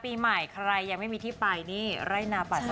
ปีใหม่ใครยังไม่มีที่ไปในไร่นาปานสงวน